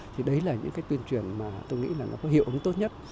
thì đấy là những cái tuyên truyền mà tôi nghĩ là nó có hiệu ứng tốt nhất